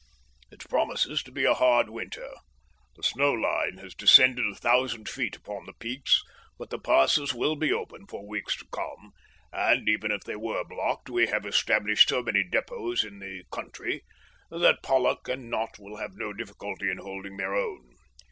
It promises to be a hard winter. The snow line has descended a thousand feet upon the peaks, but the passes will be open for weeks to come, and, even if they were blocked, we have established so many depots in the country that Pollock and Nott will have no difficulty in holding their own.